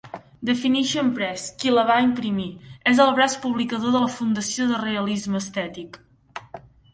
Definition Pres, qui la va imprimir, és el braç publicador de la Fundació de realisme estètic.